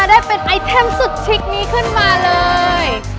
ได้เป็นไอเทมสุดชิคนี้ขึ้นมาเลย